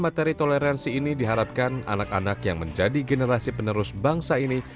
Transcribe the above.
materi toleransi ini diharapkan anak anak yang menjadi generasi penerus bangsa ini